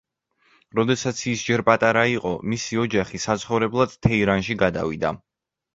როდესაც ის ჯერ პატარა იყო, მისი ოჯახი საცხოვრებლად თეირანში გადავიდა.